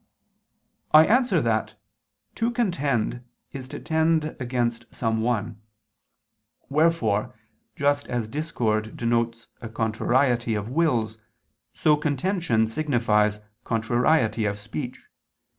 I answer that, To contend is to tend against some one. Wherefore just as discord denotes a contrariety of wills, so contention signifies contrariety of speech.